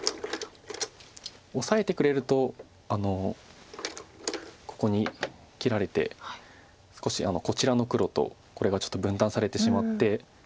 オサえてくれるとここに切られて少しこちらの黒とこれがちょっと分断されてしまって。